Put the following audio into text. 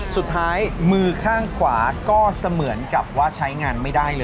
สุดท้ายมือข้างขวาก็เสมือนกับว่าใช้งานไม่ได้เลย